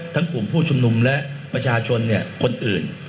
ทั้งกลุ่มผู้ชุมนุมและประชาชนเนี่ยคนอื่น